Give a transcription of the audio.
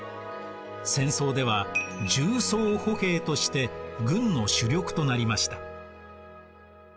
戦争では重装歩兵として軍の主力となりました。